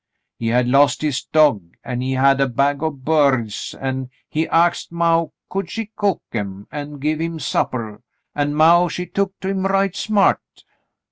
He had lost his dog, an' he had a bag o' birds, an' he axed maw could she cook 'em an' give him suppah, an' maw, she took to him right smaht.